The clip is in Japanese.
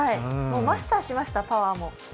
マスターしました、パワーも。